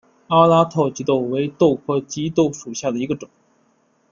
阿拉套棘豆为豆科棘豆属下的一个种。